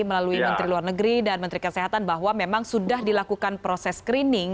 melalui menteri luar negeri dan menteri kesehatan bahwa memang sudah dilakukan proses screening